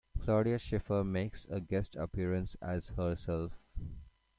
Claudia Schiffer makes a guest appearance as herself.